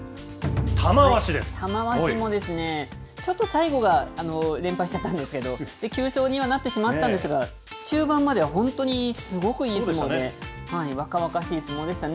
玉鷲も、ちょっと最後は連敗しちゃったんですけど、９勝にはなってしまったんですが、中盤までは本当にすごくいい相撲で、若々しい相撲でしたね。